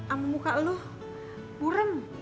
amu muka lo burem